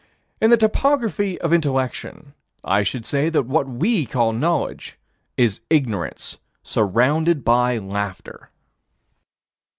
In the topography of intellection, I should say that what we call knowledge is ignorance surrounded by laughter.